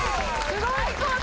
すごい！